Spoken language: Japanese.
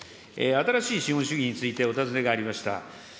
新しい資本主義についてお尋ねがありました。